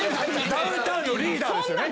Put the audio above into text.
・ダウンタウンのリーダーですよね。